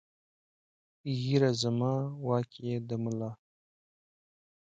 ږېره زما واک ېې د ملا